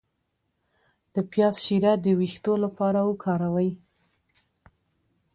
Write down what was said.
د پیاز شیره د ویښتو لپاره وکاروئ